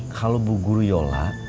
kalau bu guru yola